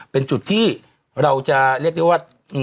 เป็นจุดที่เราจะเรียกได้ว่า